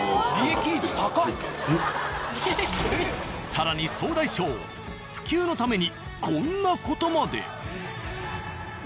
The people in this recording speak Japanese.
更に総大将普及のためにこんな事まで。